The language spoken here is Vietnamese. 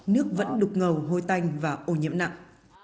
nước vẫn đục ngầu hôi tanh và ô nhiễm nặng